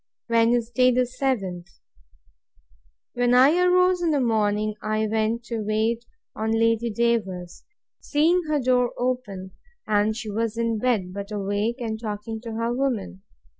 Wednesday, the seventh. When I arose in the morning, I went to wait on Lady Davers, seeing her door open; and she was in bed, but awake, and talking to her woman.